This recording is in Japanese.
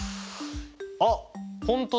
あっ本当だ。